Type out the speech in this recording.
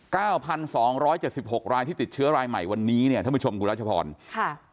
พันสองร้อยเจ็ดสิบหกรายที่ติดเชื้อรายใหม่วันนี้เนี่ยท่านผู้ชมคุณรัชพรค่ะ